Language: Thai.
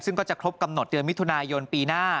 ซึ่งก็จะครบกำหนดเดือนมิถุนายนปีหน้า